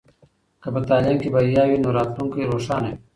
که په تعلیم کې بریا وي نو راتلونکی روښانه وي.